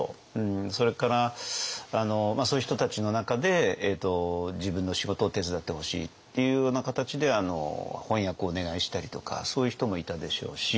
それからそういう人たちの中で自分の仕事を手伝ってほしいっていうような形で翻訳をお願いしたりとかそういう人もいたでしょうし。